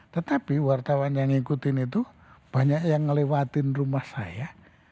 tetapi wartawan yang ngikutin itu banyak yang ngelewatin rumah saya